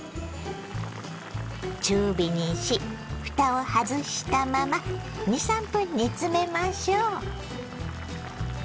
中火にしふたを外したまま２３分煮詰めましょう。